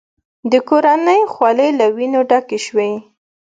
د کورنۍ خولې له وینو ډکې شوې.